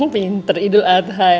pinter idul adha ya